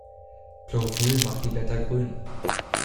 Chlorophyll macht die Blätter grün.